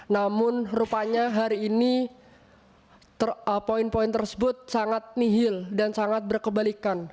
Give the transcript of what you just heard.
namun rupanya hari ini poin poin tersebut sangat nihil dan sangat berkebalikan